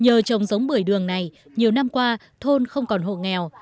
nhờ trồng giống bưởi đường này nhiều năm qua thôn không còn hộ nghèo